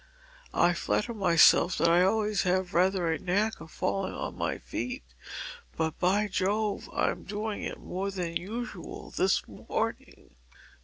I flatter myself that I always have rather a knack of falling on my feet, but, by Jove, I'm doing it more than usual this morning!"